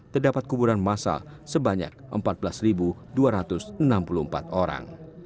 terdapat kuburan masal sebanyak empat belas dua ratus enam puluh empat orang